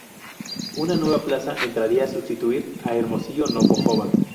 Una nueva plaza entraría a sustituir a Hermosillo: Navojoa.